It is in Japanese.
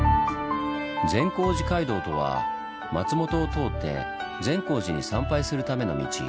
「善光寺街道」とは松本を通って善光寺に参拝するための道。